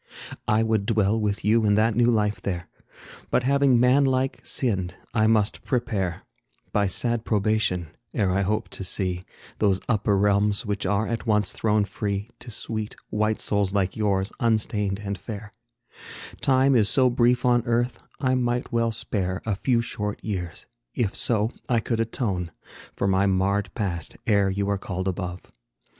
I would dwell with you in that new life there, But having, man like, sinned, I must prepare, By sad probation, ere I hope to see Those upper realms which are at once thrown free To sweet, white souls like yours, unstained and fair Time is so brief on earth, I well might spare A few short years, if so I could atone For my marred past, ere you are called above.